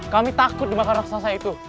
kami takut dimakan raksasa itu